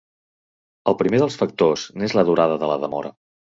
El primer dels factors n'és la durada de la demora.